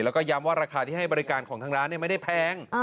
แล้วก็ย้ำว่าราคาที่ให้บริการของทางร้านไม่ได้แพง